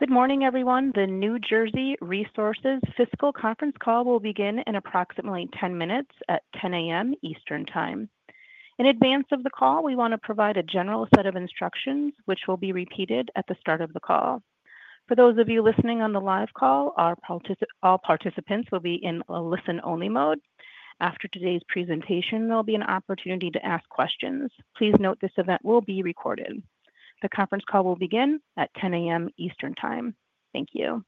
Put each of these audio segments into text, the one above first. Good morning, everyone. The New Jersey Resources fiscal conference call will begin in approximately 10 minutes at 10:00 A.M. Eastern Time. In advance of the call, we want to provide a general set of instructions, which will be repeated at the start of the call. For those of you listening on the live call, all participants will be in a listen-only mode. After today's presentation, there will be an opportunity to ask questions. Please note this event will be recorded. The conference call will begin at 10:00 A.M. Eastern Time. Thank you.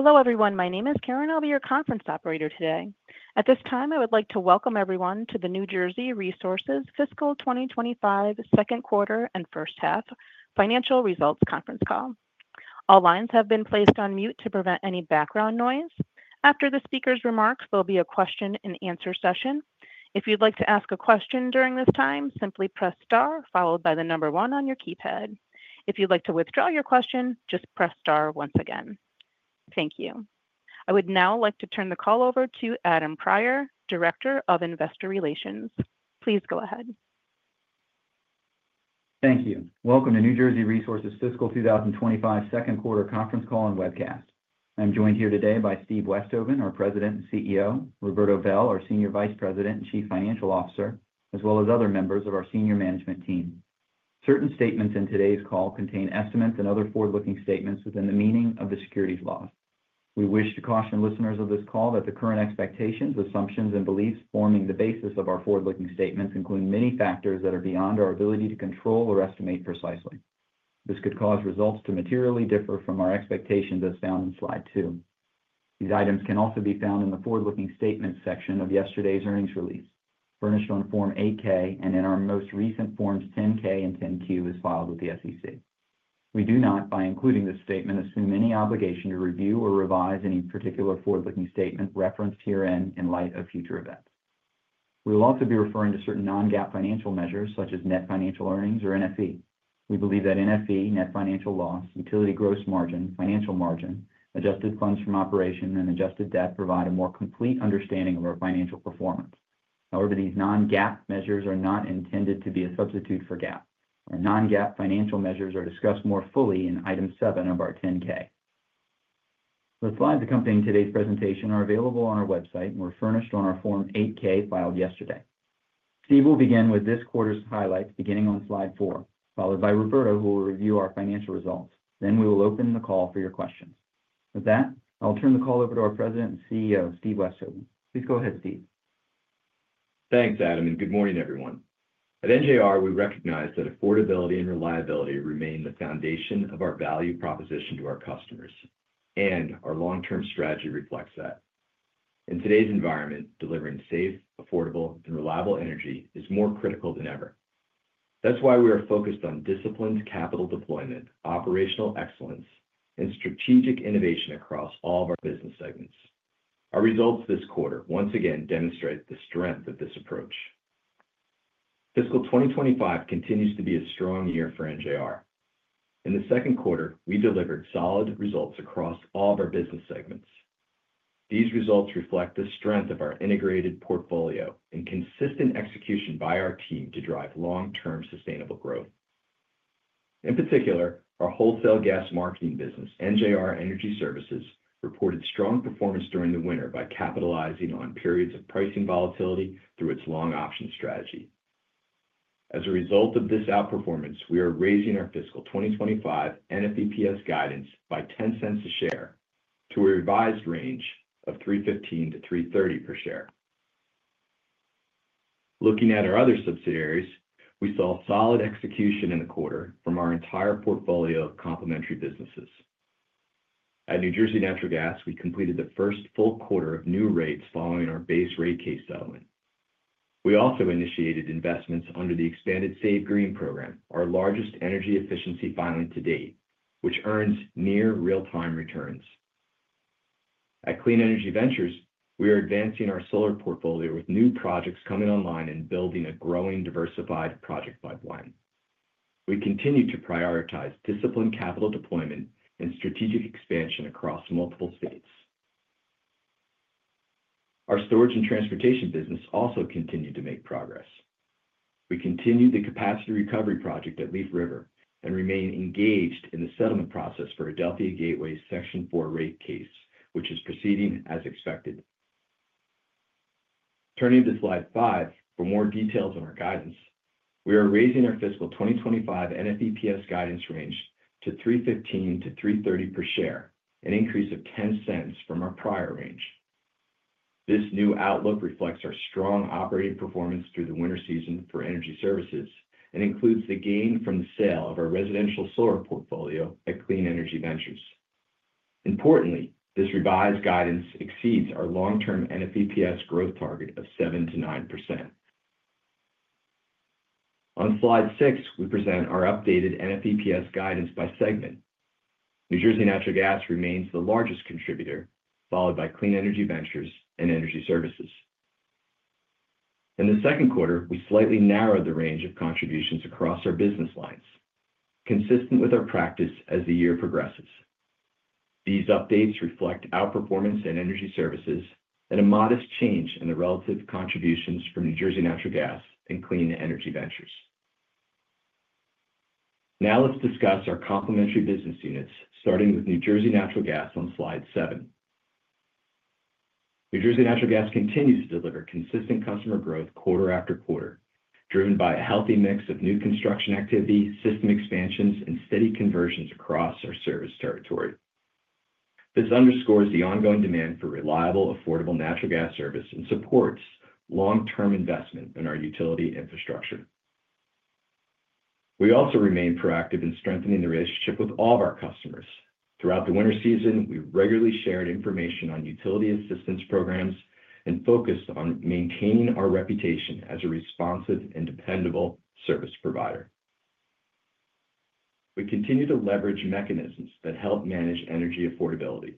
Hello, everyone. My name is Karen. I'll be your conference operator today. At this time, I would like to welcome everyone to the New Jersey Resources fiscal 2025 second quarter and first half financial results conference call. All lines have been placed on mute to prevent any background noise. After the speaker's remarks, there'll be a question-and-answer session. If you'd like to ask a question during this time, simply press star followed by the number one on your keypad. If you'd like to withdraw your question, just press star once again. Thank you. I would now like to turn the call over to Adam Prior, Director of Investor Relations. Please go ahead. Thank you. Welcome to New Jersey Resources fiscal 2025 second quarter conference call and webcast. I'm joined here today by Steve Westhoven, our President and CEO, Roberto Bel, our Senior Vice President and Chief Financial Officer, as well as other members of our senior management team. Certain statements in today's call contain estimates and other forward-looking statements within the meaning of the securities laws. We wish to caution listeners of this call that the current expectations, assumptions, and beliefs forming the basis of our forward-looking statements include many factors that are beyond our ability to control or estimate precisely. This could cause results to materially differ from our expectations as found in slide two. These items can also be found in the forward-looking statements section of yesterday's earnings release, furnished on Form 8-K, and in our most recent Forms 10-K and 10-Q, as filed with the SEC. We do not, by including this statement, assume any obligation to review or revise any particular forward-looking statement referenced herein in light of future events. We will also be referring to certain non-GAAP financial measures, such as net financial earnings or NFE. We believe that NFE, net financial loss, utility gross margin, financial margin, adjusted funds from operations, and adjusted debt provide a more complete understanding of our financial performance. However, these non-GAAP measures are not intended to be a substitute for GAAP. Our non-GAAP financial measures are discussed more fully in item seven of our 10-K. The slides accompanying today's presentation are available on our website and were furnished on our Form 8-K filed yesterday. Steve will begin with this quarter's highlights, beginning on slide four, followed by Roberto, who will review our financial results. We will open the call for your questions. With that, I'll turn the call over to our President and CEO, Steve Westhoven. Please go ahead, Steve. Thanks, Adam, and good morning, everyone. At NJR, we recognize that affordability and reliability remain the foundation of our value proposition to our customers, and our long-term strategy reflects that. In today's environment, delivering safe, affordable, and reliable energy is more critical than ever. That's why we are focused on disciplined capital deployment, operational excellence, and strategic innovation across all of our business segments. Our results this quarter once again demonstrate the strength of this approach. Fiscal 2025 continues to be a strong year for NJR. In the second quarter, we delivered solid results across all of our business segments. These results reflect the strength of our integrated portfolio and consistent execution by our team to drive long-term sustainable growth. In particular, our wholesale gas marketing business, NJR Energy Services, reported strong performance during the winter by capitalizing on periods of pricing volatility through its long options strategy. As a result of this outperformance, we are raising our fiscal 2025 NFEPS guidance by $0.10 a share to a revised range of $3.15-$3.30 per share. Looking at our other subsidiaries, we saw solid execution in the quarter from our entire portfolio of complementary businesses. At New Jersey Natural Gas, we completed the first full quarter of new rates following our base rate case settlement. We also initiated investments under the expanded Save Green program, our largest energy efficiency filing to date, which earns near real-time returns. At Clean Energy Ventures, we are advancing our solar portfolio with new projects coming online and building a growing diversified project pipeline. We continue to prioritize disciplined capital deployment and strategic expansion across multiple states. Our storage and transportation business also continued to make progress. We continued the capacity recovery project at Leaf River and remain engaged in the settlement process for Adelphia Gateway's section four rate case, which is proceeding as expected. Turning to slide five for more details on our guidance, we are raising our fiscal 2025 NFEPS guidance range to $3.15-$3.30 per share, an increase of $0.10 from our prior range. This new outlook reflects our strong operating performance through the winter season for Energy Services and includes the gain from the sale of our residential solar portfolio at Clean Energy Ventures. Importantly, this revised guidance exceeds our long-term NFEPS growth target of 7%-9%. On slide six, we present our updated NFEPS guidance by segment. New Jersey Natural Gas remains the largest contributor, followed by Clean Energy Ventures and Energy Services. In the second quarter, we slightly narrowed the range of contributions across our business lines, consistent with our practice as the year progresses. These updates reflect outperformance in energy services and a modest change in the relative contributions from New Jersey Natural Gas and Clean Energy Ventures. Now let's discuss our complementary business units, starting with New Jersey Natural Gas on slide seven. New Jersey Natural Gas continues to deliver consistent customer growth quarter after quarter, driven by a healthy mix of new construction activity, system expansions, and steady conversions across our service territory. This underscores the ongoing demand for reliable, affordable natural gas service and supports long-term investment in our utility infrastructure. We also remain proactive in strengthening the relationship with all of our customers. Throughout the winter season, we regularly shared information on utility assistance programs and focused on maintaining our reputation as a responsive and dependable service provider. We continue to leverage mechanisms that help manage energy affordability,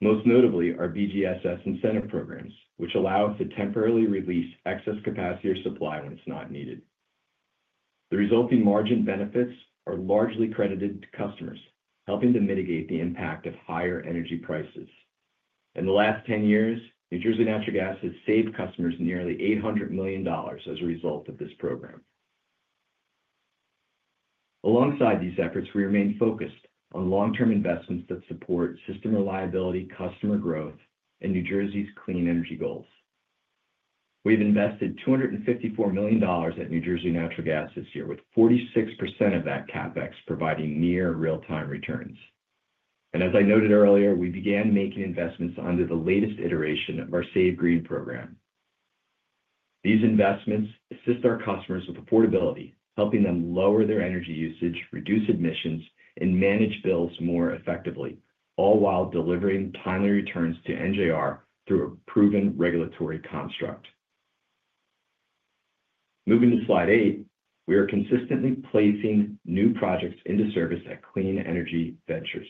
most notably our BGSS incentive programs, which allow us to temporarily release excess capacity or supply when it's not needed. The resulting margin benefits are largely credited to customers, helping to mitigate the impact of higher energy prices. In the last 10 years, New Jersey Natural Gas has saved customers nearly $800 million as a result of this program. Alongside these efforts, we remain focused on long-term investments that support system reliability, customer growth, and New Jersey's clean energy goals. We have invested $254 million at New Jersey Natural Gas this year, with 46% of that CapEx providing near real-time returns. As I noted earlier, we began making investments under the latest iteration of our Save Green program. These investments assist our customers with affordability, helping them lower their energy usage, reduce emissions, and manage bills more effectively, all while delivering timely returns to NJR through a proven regulatory construct. Moving to slide eight, we are consistently placing new projects into service at Clean Energy Ventures,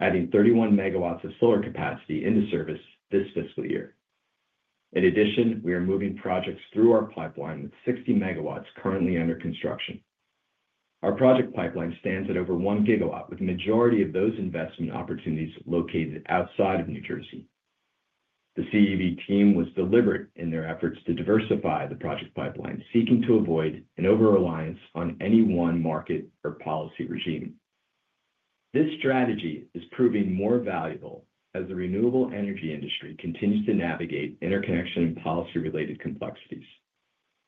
adding 31 MW of solar capacity into service this fiscal year. In addition, we are moving projects through our pipeline with 60 MW currently under construction. Our project pipeline stands at over one GW, with the majority of those investment opportunities located outside of New Jersey. The CEV team was deliberate in their efforts to diversify the project pipeline, seeking to avoid an over-reliance on any one market or policy regime. This strategy is proving more valuable as the renewable energy industry continues to navigate interconnection and policy-related complexities.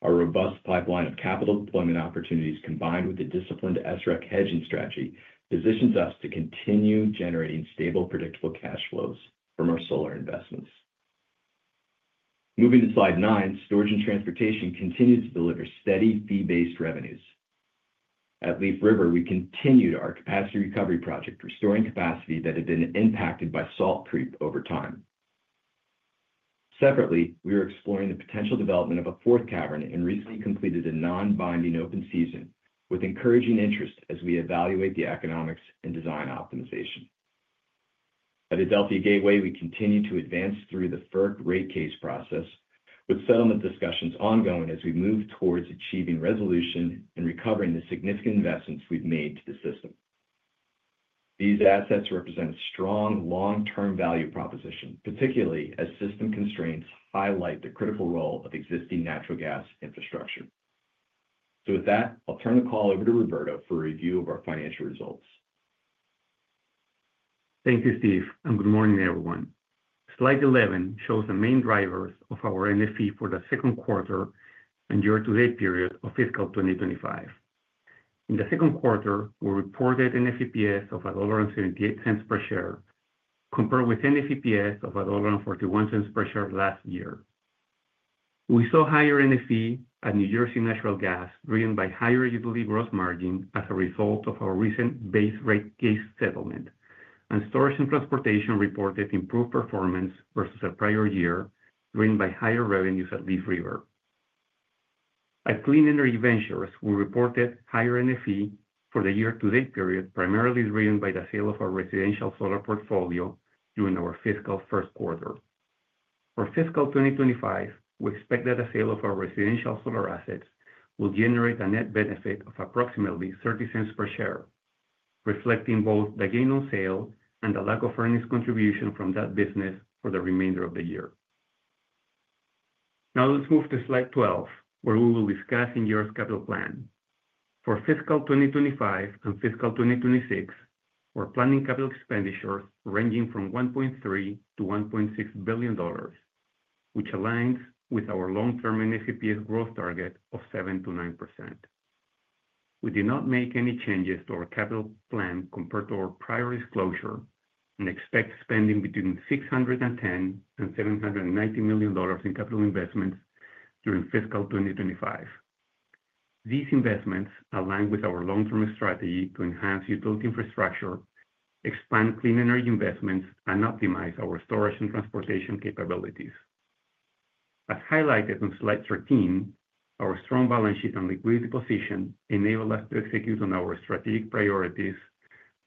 Our robust pipeline of capital deployment opportunities, combined with the disciplined SREC hedging strategy, positions us to continue generating stable, predictable cash flows from our solar investments. Moving to slide nine, Storage and Transportation continues to deliver steady fee-based revenues. At Leaf River, we continued our capacity recovery project, restoring capacity that had been impacted by salt creep over time. Separately, we are exploring the potential development of a fourth cavern and recently completed a non-binding open season, with encouraging interest as we evaluate the economics and design optimization. At Adelphia Gateway, we continue to advance through the FERC rate case process, with settlement discussions ongoing as we move towards achieving resolution and recovering the significant investments we've made to the system. These assets represent a strong long-term value proposition, particularly as system constraints highlight the critical role of existing natural gas infrastructure. With that, I'll turn the call over to Roberto for a review of our financial results. Thank you, Steve, and good morning, everyone. Slide 11 shows the main drivers of our NFE for the second quarter and year-to-date period of fiscal 2025. In the second quarter, we reported NFEPS of $1.78 per share, compared with NFEPS of $1.41 per share last year. We saw higher NFE at New Jersey Natural Gas driven by higher utility gross margin as a result of our recent base rate case settlement, and Storage and Transportation reported improved performance versus a prior year driven by higher revenues at Leaf River. At Clean Energy Ventures, we reported higher NFE for the year-to-date period, primarily driven by the sale of our residential solar portfolio during our fiscal first quarter. For fiscal 2025, we expect that the sale of our residential solar assets will generate a net benefit of approximately $0.30 per share, reflecting both the gain on sale and the lack of earnings contribution from that business for the remainder of the year. Now let's move to slide 12, where we will discuss in year's capital plan. For fiscal 2025 and fiscal 2026, we're planning capital expenditures ranging from $1.3 billion-$1.6 billion, which aligns with our long-term NFEPS growth target of 7%-9%. We did not make any changes to our capital plan compared to our prior disclosure and expect spending between $610 million and $790 million in capital investments during fiscal 2025. These investments align with our long-term strategy to enhance utility infrastructure, expand clean energy investments, and optimize our storage and transportation capabilities. As highlighted on slide 13, our strong balance sheet and liquidity position enable us to execute on our strategic priorities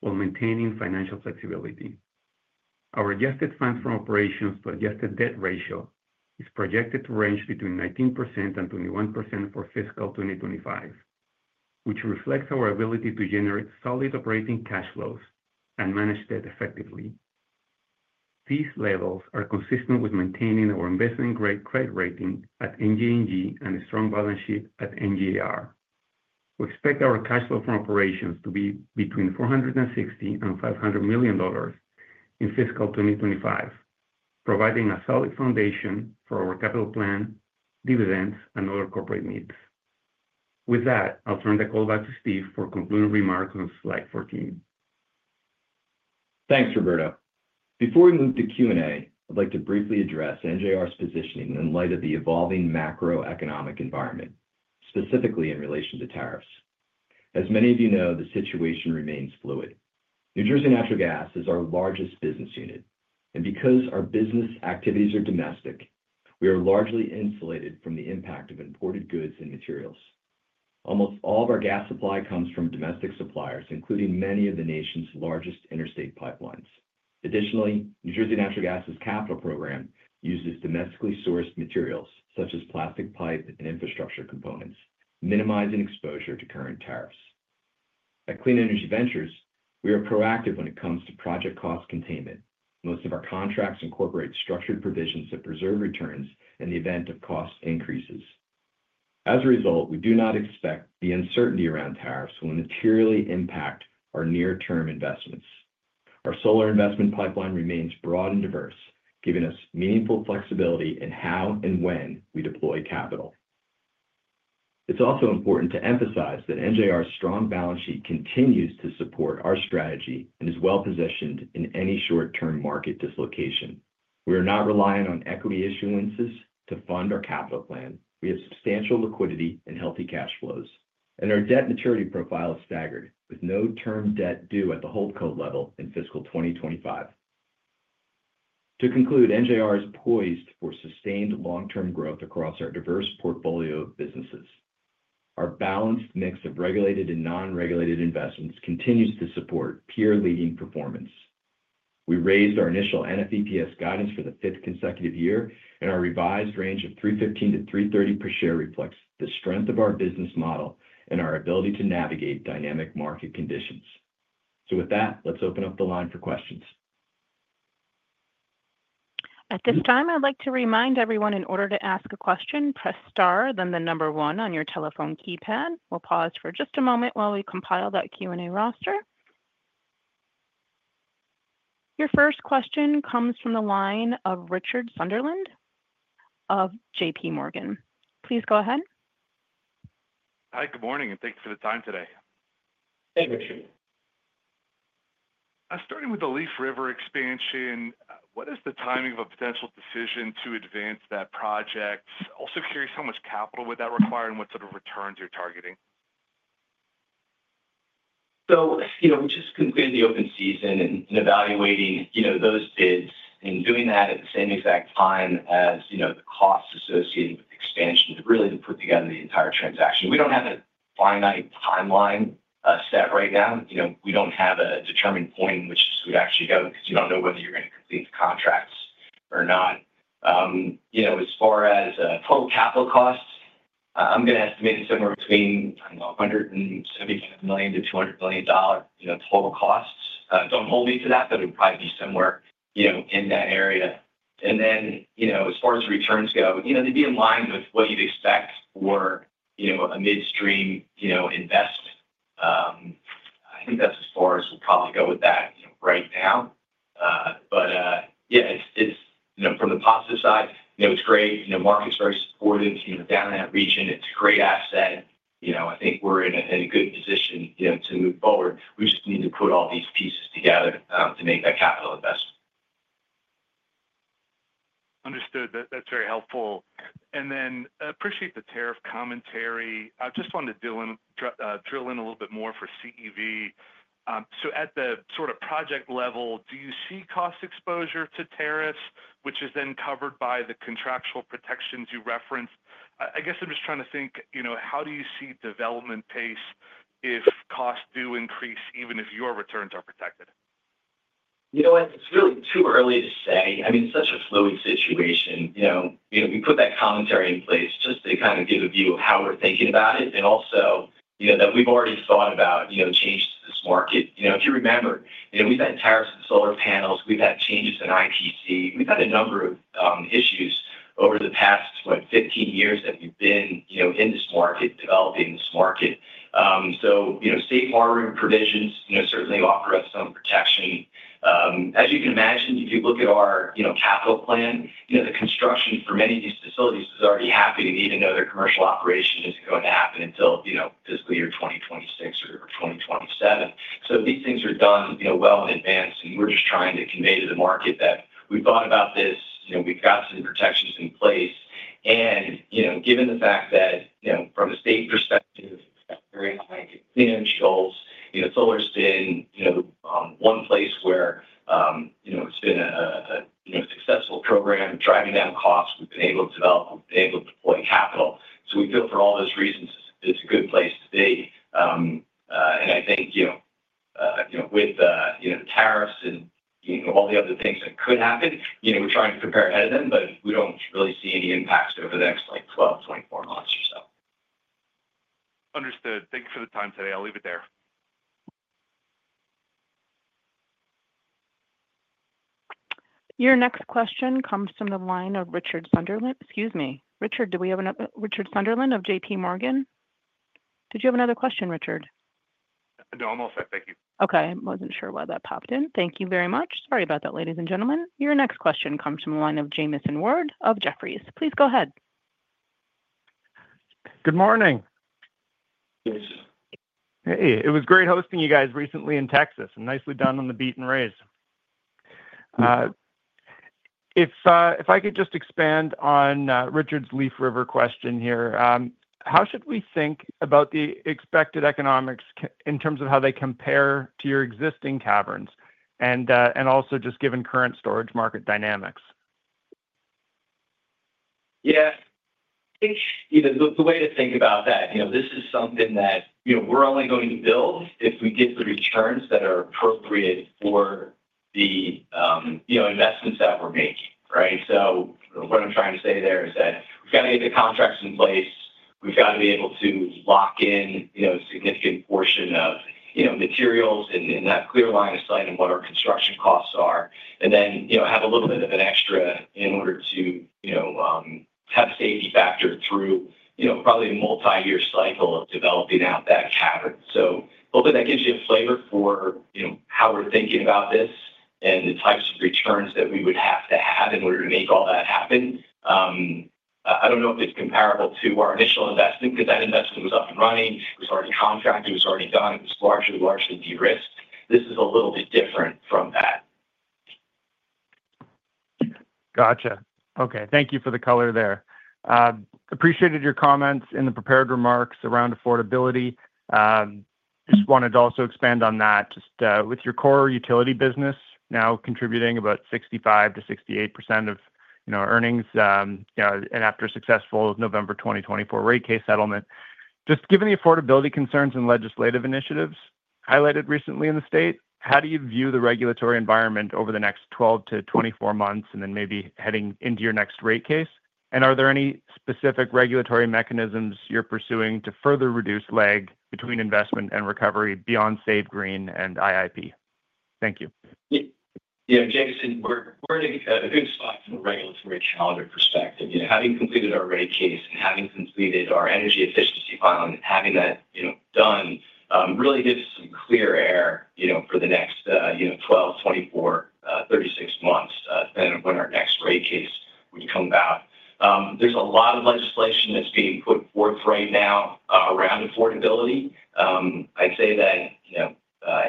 while maintaining financial flexibility. Our adjusted funds from operations to adjusted debt ratio is projected to range between 19% and 21% for fiscal 2025, which reflects our ability to generate solid operating cash flows and manage debt effectively. These levels are consistent with maintaining our investment-grade credit rating at NJNG and a strong balance sheet at NJR. We expect our cash flow from operations to be between $460 million and $500 million in fiscal 2025, providing a solid foundation for our capital plan, dividends, and other corporate needs. With that, I'll turn the call back to Steve for concluding remarks on slide 14. Thanks, Roberto. Before we move to Q&A, I'd like to briefly address NJR's positioning in light of the evolving macroeconomic environment, specifically in relation to tariffs. As many of you know, the situation remains fluid. New Jersey Natural Gas is our largest business unit, and because our business activities are domestic, we are largely insulated from the impact of imported goods and materials. Almost all of our gas supply comes from domestic suppliers, including many of the nation's largest interstate pipelines. Additionally, New Jersey Natural Gas's capital program uses domestically sourced materials, such as plastic pipe and infrastructure components, minimizing exposure to current tariffs. At Clean Energy Ventures, we are proactive when it comes to project cost containment. Most of our contracts incorporate structured provisions that preserve returns in the event of cost increases. As a result, we do not expect the uncertainty around tariffs will materially impact our near-term investments. Our solar investment pipeline remains broad and diverse, giving us meaningful flexibility in how and when we deploy capital. It's also important to emphasize that NJR's strong balance sheet continues to support our strategy and is well-positioned in any short-term market dislocation. We are not reliant on equity issuances to fund our capital plan. We have substantial liquidity and healthy cash flows, and our debt maturity profile is staggered, with no term debt due at the holdco level in fiscal 2025. To conclude, NJR is poised for sustained long-term growth across our diverse portfolio of businesses. Our balanced mix of regulated and non-regulated investments continues to support peer-leading performance. We raised our initial NFEPS guidance for the fifth consecutive year and our revised range of $3.15-$3.30 per share reflects the strength of our business model and our ability to navigate dynamic market conditions. With that, let's open up the line for questions. At this time, I'd like to remind everyone in order to ask a question, press star, then the number one on your telephone keypad. We'll pause for just a moment while we compile that Q&A roster. Your first question comes from the line of Richard Sunderland of JP Morgan. Please go ahead. Hi, good morning, and thank you for the time today. Hey, Richard. Starting with the Leaf River expansion, what is the timing of a potential decision to advance that project? Also curious how much capital would that require and what sort of returns you're targeting. We just concluded the open season and evaluating those bids and doing that at the same exact time as the costs associated with expansion to really put together the entire transaction. We do not have a finite timeline set right now. We do not have a determined point in which this would actually go because you do not know whether you are going to complete the contracts or not. As far as total capital costs, I am going to estimate it somewhere between, I do not know, $175 million-$200 million total costs. Do not hold me to that, but it would probably be somewhere in that area. As far as returns go, they would be in line with what you would expect for a midstream invest. I think that is as far as we will probably go with that right now. From the positive side, it is great. The market's very supportive down in that region. It's a great asset. I think we're in a good position to move forward. We just need to put all these pieces together to make that capital investment. Understood. That is very helpful. I just wanted to drill in a little bit more for CEV. At the sort of project level, do you see cost exposure to tariffs, which is then covered by the contractual protections you referenced? I guess I am just trying to think, how do you see development pace if costs do increase, even if your returns are protected? You know what? It's really too early to say. I mean, it's such a fluid situation. We put that commentary in place just to kind of give a view of how we're thinking about it and also that we've already thought about changes to this market. If you remember, we've had tariffs on solar panels. We've had changes in IPT. We've had a number of issues over the past, what, 15 years that we've been in this market, developing this market. Safe harboring provisions certainly offer us some protection. As you can imagine, if you look at our capital plan, the construction for many of these facilities is already happening, even though their commercial operation isn't going to happen until fiscal year 2026 or 2027. These things are done well in advance, and we're just trying to convey to the market that we've thought about this. We've got some protections in place. Given the fact that from a state perspective, very high clearance goals, solar's been is one place where it's been a successful program, driving down costs. We've been able to develop. We've been able to deploy capital. We feel for all those reasons, it's a good place to be. I think with the tariffs and all the other things that could happen, we're trying to prepare ahead of them, but we don't really see any impacts over the next 12-24 months or so. Understood. Thank you for the time today. I'll leave it there. Your next question comes from the line of Richard Sunderland. Excuse me. Richard, do we have another Richard Sunderland of JP Morgan? Did you have another question, Richard? No, I'm all set. Thank you. Okay. I was not sure why that popped in. Thank you very much. Sorry about that, ladies and gentlemen. Your next question comes from the line of Jamieson Ward of Jefferies. Please go ahead. Good morning. Good. Hey. It was great hosting you guys recently in Texas, and nicely done on the beat and raise. If I could just expand on Richard's Leaf River question here, how should we think about the expected economics in terms of how they compare to your existing caverns and also just given current storage market dynamics? Yeah. I think the way to think about that, this is something that we're only going to build if we get the returns that are appropriate for the investments that we're making, right? What I'm trying to say there is that we've got to get the contracts in place. We've got to be able to lock in a significant portion of materials and have clear line of sight on what our construction costs are and then have a little bit of an extra in order to have safety factor through probably a multi-year cycle of developing out that cavern. Hopefully that gives you a flavor for how we're thinking about this and the types of returns that we would have to have in order to make all that happen. I don't know if it's comparable to our initial investment because that investment was up and running. It was already contracted. It was already done. It was largely de-risked. This is a little bit. Gotcha. Okay. Thank you for the color there. Appreciated your comments in the prepared remarks around affordability. Just wanted to also expand on that. Just with your core utility business now contributing about 65%-68% of our earnings after a successful November 2024 rate case settlement, just given the affordability concerns and legislative initiatives highlighted recently in the state, how do you view the regulatory environment over the next 12-24 months and then maybe heading into your next rate case? Are there any specific regulatory mechanisms you're pursuing to further reduce lag between investment and recovery beyond Save Green and IIP? Thank you. Yeah, Jamieson, we're in a good spot from a regulatory calendar perspective. Having completed our rate case and having completed our energy efficiency filing and having that done really gives us some clear air for the next 12, 24, 36 months depending on when our next rate case would come about. There's a lot of legislation that's being put forth right now around affordability. I'd say that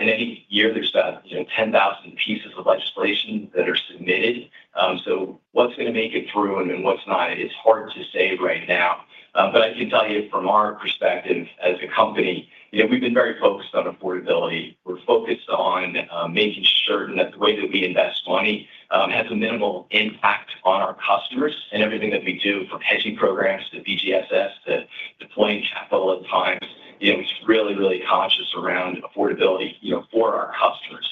in any year, there's about 10,000 pieces of legislation that are submitted. What's going to make it through and what's not, it's hard to say right now. I can tell you from our perspective as a company, we've been very focused on affordability. We're focused on making certain that the way that we invest money has a minimal impact on our customers. Everything that we do, from hedging programs to BGSS to deploying capital at times, is really, really conscious around affordability for our customers.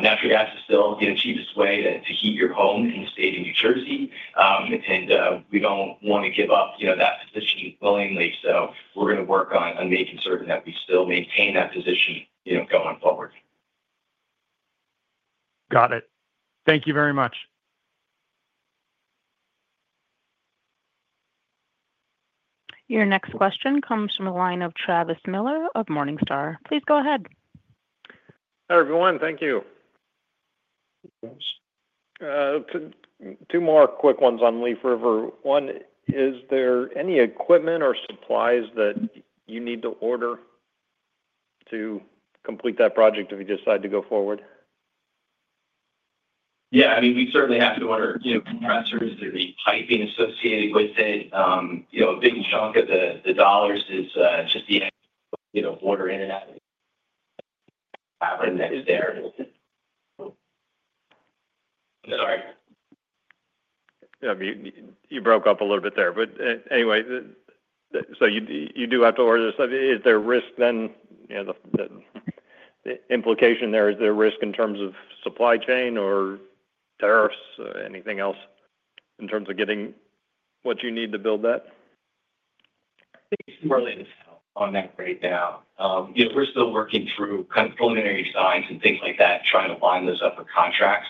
Natural gas is still the cheapest way to heat your home in the state of New Jersey, and we do not want to give up that position willingly. We are going to work on making certain that we still maintain that position going forward. Got it. Thank you very much. Your next question comes from the line of Travis Miller of Morningstar. Please go ahead. Hi, everyone. Thank you. Two more quick ones on Leaf River. One, is there any equipment or supplies that you need to order to complete that project if you decide to go forward? Yeah. I mean, we certainly have to order compressors. There's a piping associated with it. A big chunk of the dollars is just. Yeah. You broke up a little bit there. Anyway, you do have to order this. Is there risk then? The implication there, is there risk in terms of supply chain or tariffs or anything else in terms of getting what you need to build that? I think it's really on that right now. We're still working through preliminary designs and things like that, trying to line those up with contracts.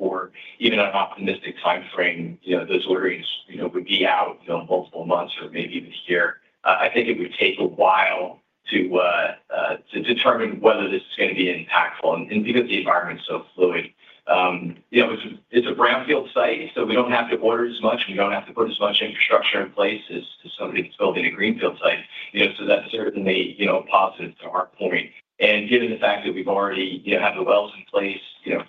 For even an optimistic time frame, those ordering would be out multiple months or maybe even a year. I think it would take a while to determine whether this is going to be impactful because the environment's so fluid. It's a brownfield site, so we don't have to order as much, and we don't have to put as much infrastructure in place as somebody that's building a greenfield site. That's certainly positive to our point. Given the fact that we've already had the wells in place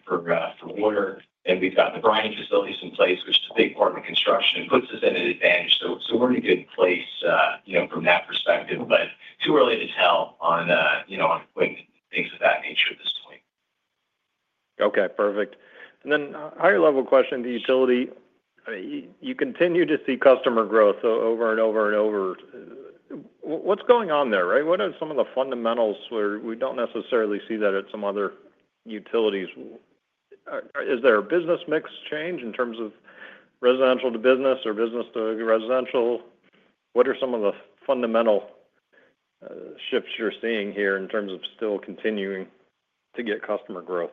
for water and we've got the brining facilities in place, which is a big part of the construction, it puts us at an advantage. We're in a good place from that perspective, but too early to tell on equipment and things of that nature at this point. Okay. Perfect. Then higher level question, the utility. You continue to see customer growth over and over and over. What's going on there, right? What are some of the fundamentals where we don't necessarily see that at some other utilities? Is there a business mix change in terms of residential to business or business to residential? What are some of the fundamental shifts you're seeing here in terms of still continuing to get customer growth?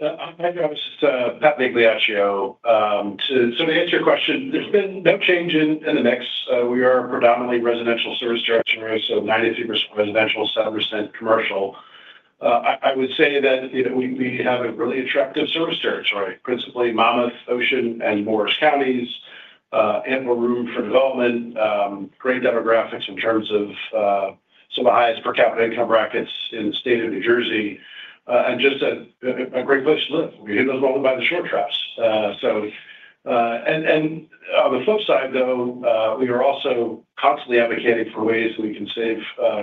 Hi, Travis. Pat Migliaccio. To answer your question, there's been no change in the mix. We are predominantly residential service directory, so 92% residential, 7% commercial. I would say that we have a really attractive service territory, principally Monmouth, Ocean, and Morris counties, ample room for development, great demographics in terms of some of the highest per capita income brackets in the state of New Jersey, and just a great place to live. live by the shore traps. On the flip side, though, we are also constantly advocating for ways we can save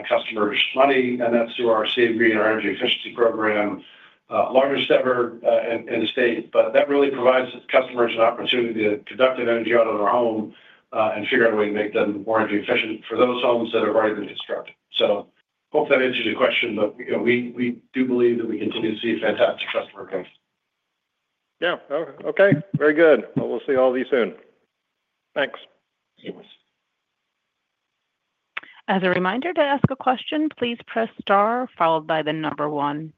customers money, and that's through our Save Green or energy efficiency program, largest ever in the state. That really provides customers an opportunity to conduct their energy out of their home and figure out a way to make them more energy efficient for those homes that have already been constructed. Hope that answers your question, but we do believe that we continue to see fantastic customer growth. Yeah. Okay. Very good. We'll see all of you soon. Thanks. As a reminder to ask a question, please press star followed by the number one.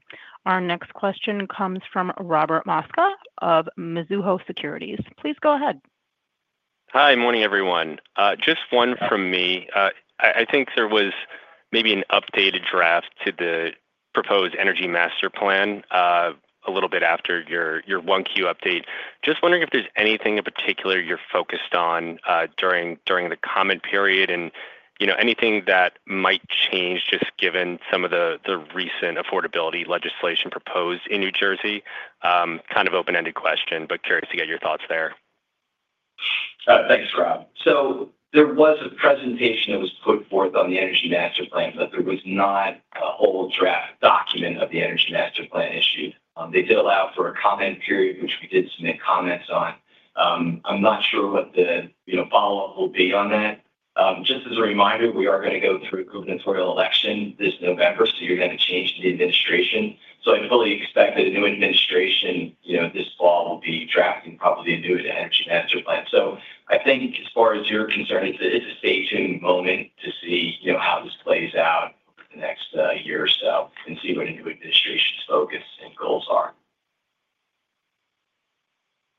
Our next question comes from Robert Mosca of Mizuho Securities. Please go ahead. Hi. Morning, everyone. Just one from me. I think there was maybe an updated draft to the proposed energy master plan a little bit after your 1Q update. Just wondering if there's anything in particular you're focused on during the comment period and anything that might change just given some of the recent affordability legislation proposed in New Jersey. Kind of open-ended question, but curious to get your thoughts there. Thanks, Rob. There was a presentation that was put forth on the energy master plan, but there was not a whole draft document of the energy master plan issued. They did allow for a comment period, which we did submit comments on. I'm not sure what the follow-up will be on that. Just as a reminder, we are going to go through a gubernatorial election this November, so you're going to change the administration. I fully expect that a new administration this fall will be drafting probably a new energy master plan. I think as far as you're concerned, it's a stay-tune moment to see how this plays out over the next year or so and see what a new administration's focus and goals are.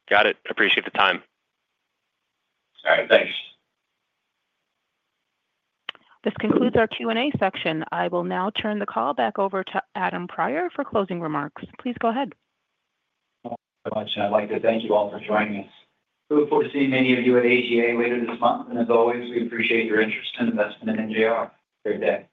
Got it. Appreciate the time. All right. Thanks. This concludes our Q&A section. I will now turn the call back over to Adam Prior for closing remarks. Please go ahead. I'd like to thank you all for joining us. We look forward to seeing many of you at AGA later this month. As always, we appreciate your interest and investment in NJR. Have a great day.